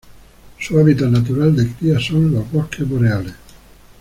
Su hábitat natural de cría son los bosques boreales.